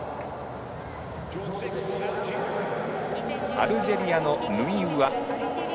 アルジェリアのヌイウア。